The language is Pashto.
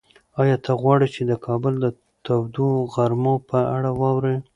ایا ته غواړې چې د کابل د تودو غرمو په اړه واورې؟